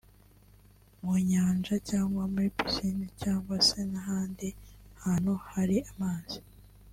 mu Nyanja cyangwa muri Piscine cyangwa se n’ahandi hantu hari amazi